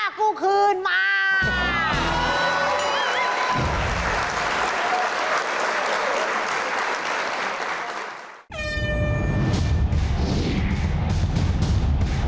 หรือใครกำลังร้อนเงิน